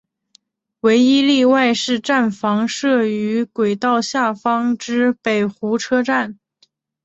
唯一例外是站房设于轨道下方之北湖车站。